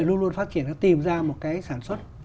luôn luôn phát triển nó tìm ra một cái sản xuất